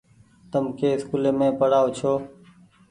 تم ڪي اسڪولي مين پڙآئو ڇو ۔